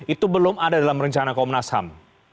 itu belum ada dalam rencana komnas ham